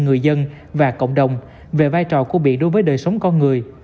người dân và cộng đồng về vai trò của bị đối với đời sống con người